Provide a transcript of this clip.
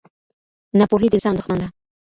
ناپوهي د انسان دښمن ده.